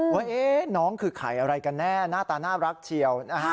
ว่าน้องคือไข่อะไรกันแน่หน้าตาน่ารักเชียว